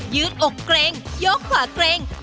ืดอกเกร็งยกขวาเกร็ง